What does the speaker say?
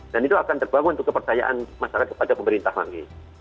dan itu akan terbangun untuk kepercayaan masyarakat kepada pemerintah lagi